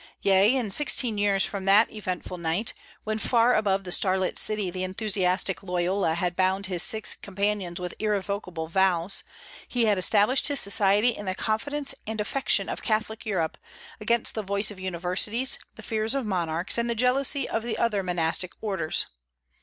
Yea, in sixteen years from that eventful night when far above the star lit city the enthusiastic Loyola had bound his six companions with irrevocable vows he had established his Society in the confidence and affection of Catholic Europe, against the voice of universities, the fears of monarchs, and the jealousy of the other monastic orders.